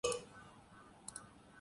حروف کے تئیں حساس کی چھٹائی کریں